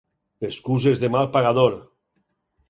Excuses de mal pagador!